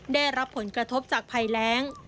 ได้รับผลกระทบจากภัยแรง